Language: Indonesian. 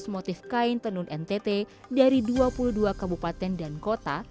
lima ratus motif kain tenun ntt dari dua puluh dua kabupaten dan kota